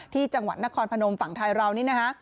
ที่จังหวัดนครพนมฝั่งไทยเรานี่นะคะ